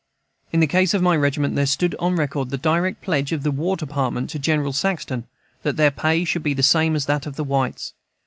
In the case of my regiment there stood on record the direct pledge of the War Department to General Saxton that their pay should be the same as that of whites.